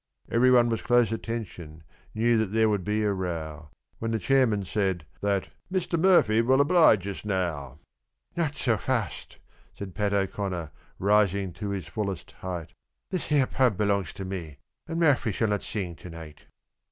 Everyone was close attention, knew that there would be a row, When the chairman said that "Mr. Murphy will oblige us now." "Not so fasht," said Pat O'Connor, rising to his fullest height, "This here pub belongs to me, and Murphy shall not sing to night."